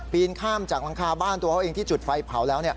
ข้ามจากหลังคาบ้านตัวเขาเองที่จุดไฟเผาแล้ว